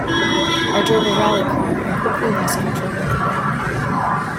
I drove a rally car and quickly lost control at the bend.